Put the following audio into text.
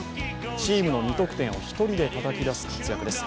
チームの２得点を１人でたたき出す活躍です。